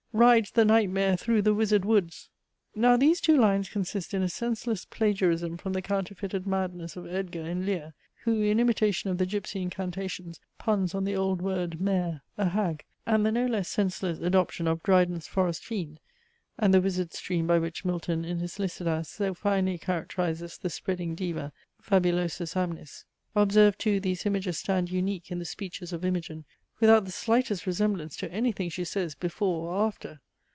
rides the night mare thro' the wizard woods." Now these two lines consist in a senseless plagiarism from the counterfeited madness of Edgar in Lear, who, in imitation of the gypsy incantations, puns on the old word mair, a hag; and the no less senseless adoption of Dryden's forest fiend, and the wisard stream by which Milton, in his Lycidas, so finely characterizes the spreading Deva, fabulosus amnis. Observe too these images stand unique in the speeches of Imogine, without the slightest resemblance to anything she says before or after.